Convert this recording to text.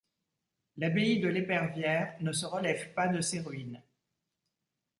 L’abbaye de l’Épervière ne se relève pas de ses ruines.